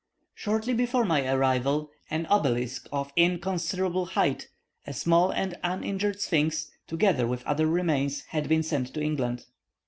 Shortly before my arrival, an obelisk of inconsiderable height, a small and uninjured sphynx, together with other remains, had been sent to England.